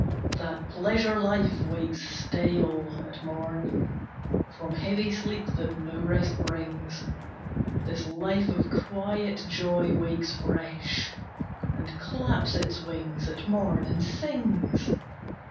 That Pleasure life wakes stale at morn, From heavy sleep that no rest brings: This life of quiet joy wakes fresh, And claps its wings at morn, and sings.